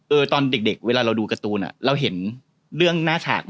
ตอนเด็กเวลาเราดูการ์ตูนอ่ะเราเห็นเรื่องหน้าฉาก